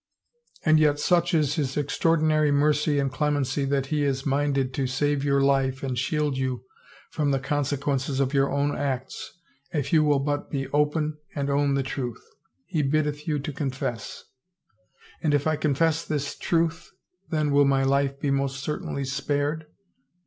And yet such is his extraordinary mercy and clemency that he is minded to save your life and shield you from the conse 337 « THE FAVOR OF KINGS quences of your own acts if you will but be open and own the truth. He biddeth you to confess." " And if I confess this truth, then will my life be most certainly spared